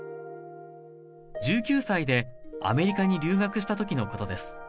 １９歳でアメリカに留学した時のことです